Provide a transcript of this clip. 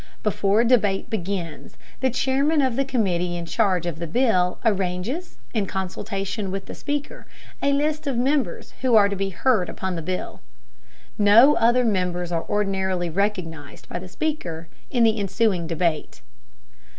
Before debate begins, the chairman of the committee in charge of the bill arranges, in consultation with the Speaker, a list of members who are to be heard upon the bill. No other members are ordinarily recognized by the Speaker in the ensuing debate.